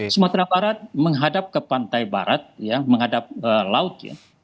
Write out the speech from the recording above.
sumatera barat menghadap ke pantai barat ya menghadap laut ya